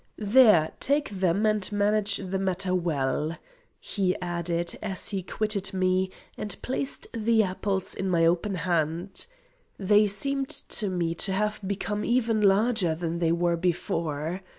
There, take them and manage the matter well," he added, as he quitted me, and placed the apples in my open hand. They seemed to me to have become even larger than they were before.